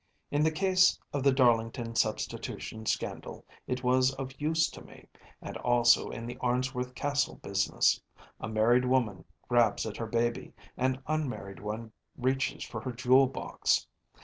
In the case of the Darlington Substitution Scandal it was of use to me, and also in the Arnsworth Castle business. A married woman grabs at her baby; an unmarried one reaches for her jewel box.